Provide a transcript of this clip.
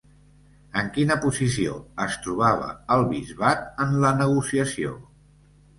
En quina posició es trobava el bisbat en la negociació?